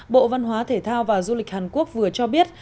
bộ văn hóa thể thao và du lịch hàn quốc vừa cho biết